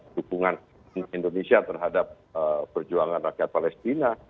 dukungan indonesia terhadap perjuangan rakyat palestina